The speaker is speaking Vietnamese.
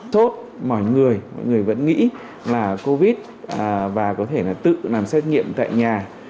tốt mọi người vẫn nghĩ là covid và có thể tự làm xét nghiệm tại nhà